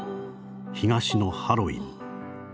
東のハロウィン。